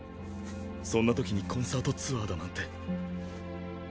そんなときにコンサートツアーだなんて。